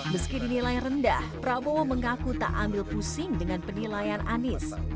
meski dinilai rendah prabowo mengaku tak ambil pusing dengan penilaian anies